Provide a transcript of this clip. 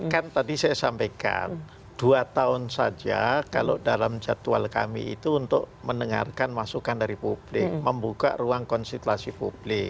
kan tadi saya sampaikan dua tahun saja kalau dalam jadwal kami itu untuk mendengarkan masukan dari publik membuka ruang konstitusi publik